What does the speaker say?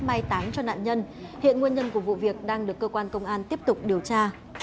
may táng cho nạn nhân hiện nguyên nhân của vụ việc đang được cơ quan công an tiếp tục điều tra